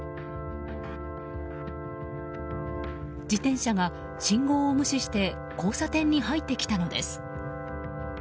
自転車が信号を無視して交差点に入ってきたのです。